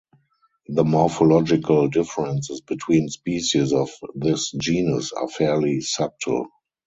The morphological differences between species of this genus are fairly subtle.